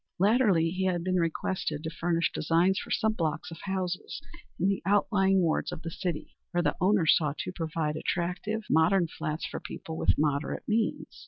Latterly he had been requested to furnish designs for some blocks of houses in the outlying wards of the city, where the owners sought to provide attractive, modern flats for people with moderate means.